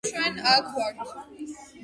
ჩვენ აქ ვართ